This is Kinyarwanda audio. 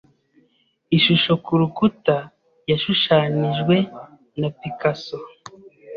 Ishusho kurukuta yashushanijwe na Picasso.